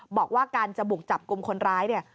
บอกว่าการจะบุกจับกลุ่มคนร้ายเนี่ย